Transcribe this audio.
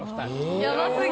やばすぎ。